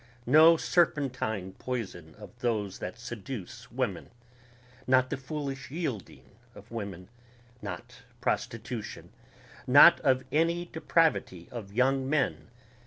no serpentine poison of those that seduce women ... not the foolish yielding of women ... not prostitution ... not of any depravity of young men